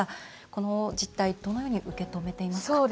この実態どのように受け止めていますか？